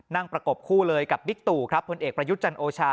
ประกบคู่เลยกับบิ๊กตู่ครับพลเอกประยุทธ์จันโอชา